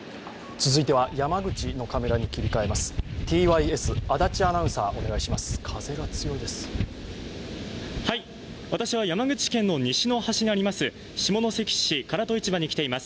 続いては山口のカメラに切り替えます。